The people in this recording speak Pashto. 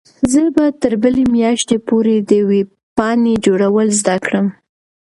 زه به تر بلې میاشتې پورې د ویبپاڼې جوړول زده کړم.